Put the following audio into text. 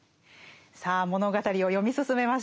さあ物語を読み進めましょう。